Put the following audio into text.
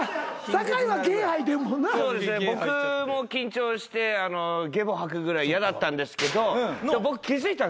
僕も緊張してゲボ吐くぐらい嫌だったんですけど僕気付いたんですよ。